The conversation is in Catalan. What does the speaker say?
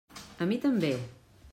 A mi també.